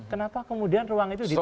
kenapa kemudian ruang itu ditutup